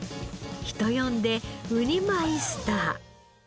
人呼んでウニマイスター。